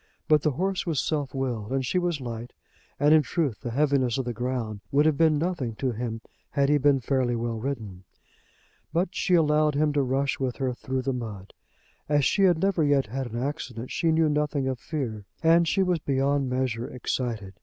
But the horse was self willed, and she was light; and in truth the heaviness of the ground would have been nothing to him had he been fairly well ridden. But she allowed him to rush with her through the mud. As she had never yet had an accident she knew nothing of fear, and she was beyond measure excited.